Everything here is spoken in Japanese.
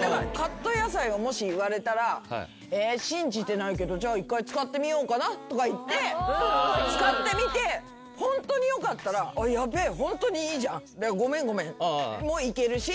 だからカット野菜をもし言われたら「え信じてないけどじゃあ一回使ってみようかな」とか言って使ってみてホントによかったら「ヤベえ」「ごめんごめん」もいけるし。